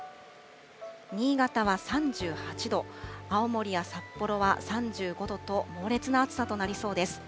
新潟は３８度、青森や札幌は３５度と猛烈な暑さとなりそうです。